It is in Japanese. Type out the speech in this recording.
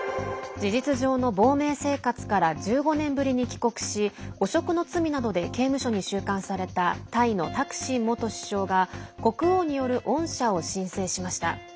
事実上の亡命生活から１５年ぶりに帰国し汚職の罪などで刑務所に収監されたタイのタクシン元首相が国王による恩赦を申請しました。